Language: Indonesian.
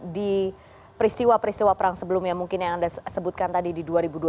di peristiwa peristiwa perang sebelumnya mungkin yang anda sebutkan tadi di dua ribu dua puluh